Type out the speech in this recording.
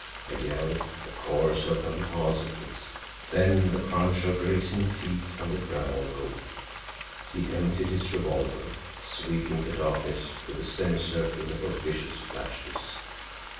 A yell, a chorus of them, answered this then the crunch of racing feet on the gravel roof. He emptied his revolver, sweeping the darkness with a semicircle of vicious flashes.